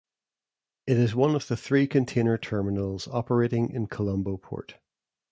It is one of the three container terminals operating in Colombo Port.